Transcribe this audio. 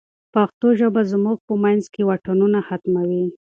پښتو ژبه زموږ په منځ کې واټنونه ختموي.